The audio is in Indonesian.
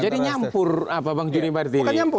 jadi nyampur pak juri mbak diri